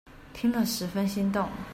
聽了十分心動